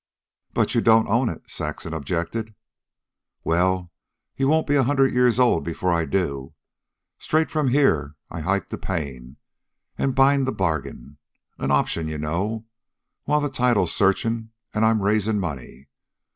"But you don't own it," Saxon objected. "Well, you won't be a hundred years old before I do. Straight from here I hike to Payne an' bind the bargain an option, you know, while title's searchin' an' I 'm raisin' money.